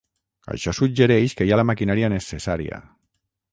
Això suggereix que hi ha la maquinària necessària.